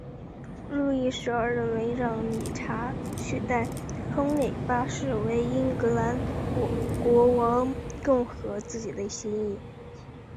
路易十二认为让理查取代亨利八世为英格兰国王更合自己的心意。